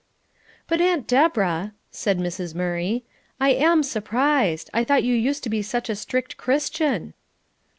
"But Aunt Deborah," said Mrs. Murray, "I am surprised. I thought you used to be such a strict Christian."